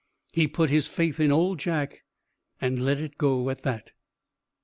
He put his faith in Old Jack, and let it go at that.